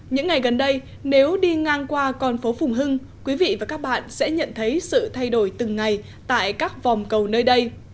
những ngày gần đây nếu đi ngang qua con phố phùng hưng quý vị và các bạn sẽ nhận thấy sự thay đổi từng ngày tại các vòng cầu nơi đây